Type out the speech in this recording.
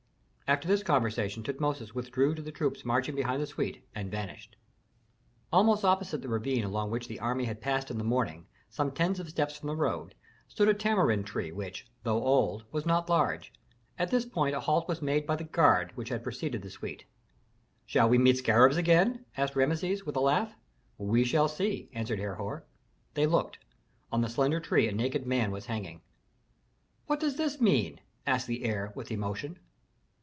After this conversation Tutmosis withdrew to the troops marching behind the suite, and vanished. Almost opposite the ravine along which the army had passed in the morning, some tens of steps from the road, stood a tamarind tree which, though old, was not large. At this point a halt was made by the guard which had preceded the suite. "Shall we meet scarabs again?" asked Rameses, with a laugh. "We shall see," answered Herhor. They looked; on the slender tree a naked man was hanging. "What does this mean?" asked the heir, with emotion.